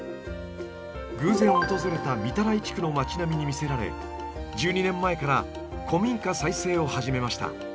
偶然訪れた御手洗地区の町並みに魅せられ１２年前から古民家再生を始めました。